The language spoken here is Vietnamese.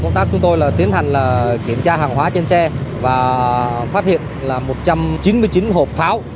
tổ công tác chúng tôi tiến hành kiểm tra hàng hóa trên xe và phát hiện một trăm chín mươi chín hộp pháo